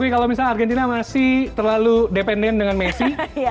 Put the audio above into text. tapi kalau misalnya argentina masih terlalu dependen dengan messi